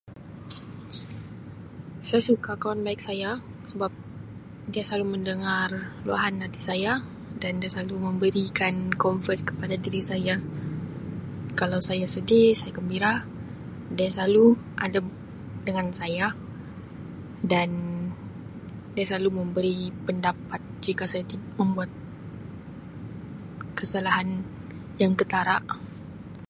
Sa suka kawan baik saya sebab dia selalu mendengar luahan hati saya dan dia selalu memberikan comfort kepada diri saya. Kalau saya sedih, saya gembira, dia selalu adab- dengan saya dan dia selalu memberi pendapat jika saya tib- membuat kesalahan yang ketara.